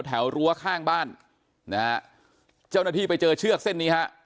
รั้วข้างบ้านนะฮะเจ้าหน้าที่ไปเจอเชือกเส้นนี้ฮะ